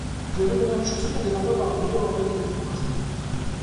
Գյուղի բնակչությունը գնալով ավելի ու ավելի է նվազում։